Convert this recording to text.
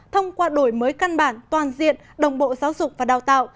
thông qua đổi mới căn bản toàn diện đồng bộ giáo dục và đào tạo